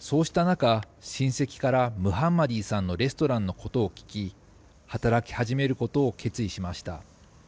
そうした中、親戚からムハンマディさんのレストランのことを聞き、働き始めることを決意しました。